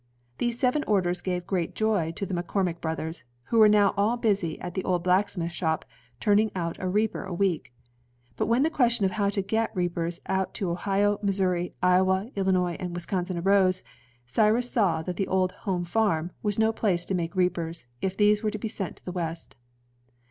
These seven orders gave great joy to the McCormick brothers, who were now all busy at the old blacksmith shop, turning out a reaper a week. But when the ques tion how to get reapers out to Ohio, Missouri, Iowa, Illinois, and Wisconsin arose, Cyrus saw that the old "home farm" was no place to make reapers, if these were to be sent to the West.